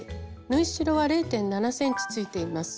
縫い代は０．７ｃｍついています。